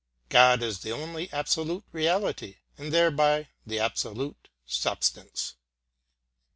God is the only absolute reality, and thereby the absolute substance.